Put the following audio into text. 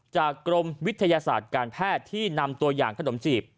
กรมวิทยาศาสตร์การแพทย์ที่นำตัวอย่างขนมจีบ